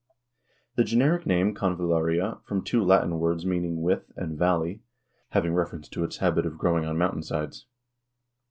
The generic name Convallaria from two Latin words meaning "with" and "valley," having reference to its habit of growing on mountain sides.